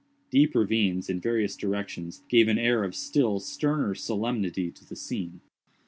Deep ravines, in various directions, gave an air of still sterner solemnity to the scene.